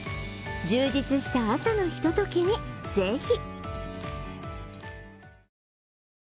充実した朝のひとときにぜひ。